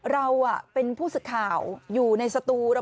เราเป็นผู้ศึกข่าวอยู่ในสตูแล้ว